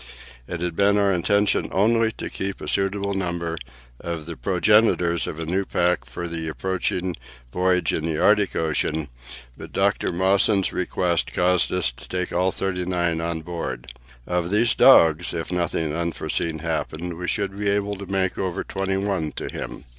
It had been our intention only to keep a suitable number as the progenitors of a new pack for the approaching voyage in the Arctic Ocean, but Dr. Mawson's request caused us to take all the thirty nine on board. Of these dogs, if nothing unforeseen happened, we should be able to make over twenty one to him.